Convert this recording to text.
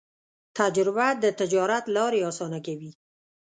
تجربه د تجارت لارې اسانه کوي.